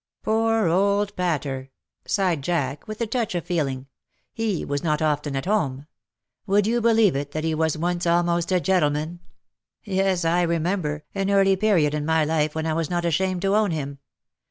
" Poor old Pater," sighed Jack, with a touch of feeling. He was not often at home. '^ Would you believe it, that he was once almost a gentleman ? Yes, I remember, an early period in my life when I was not ashamed to own him.